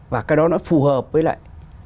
và cái đó nó phù hợp với lại